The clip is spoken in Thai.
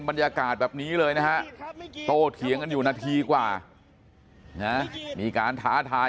บรรยากาศแบบนี้เลยนะฮะโตเถียงกันอยู่นาทีกว่ามีการท้าทาย